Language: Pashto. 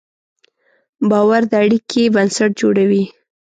باور د اړیکې بنسټ جوړوي.